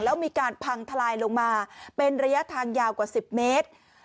แล้วมีการพังทลายลงมาเป็นระยะทางยาวกว่า๑๐เมตร